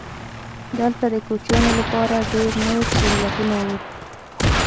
دلته د کوچیانو لپاره ډېر نور سهولتونه وو.